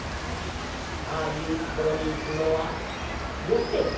ああいうところに行くのはよせ。